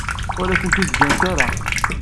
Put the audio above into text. Ur asen-ten-id-ǧǧant ara.